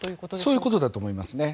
そういうことだと思いますね。